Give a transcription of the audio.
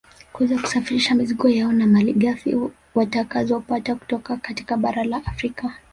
Kuweza kusafirisha mizigo yao na malighafi watakazopata kutoka katika bara la Afrika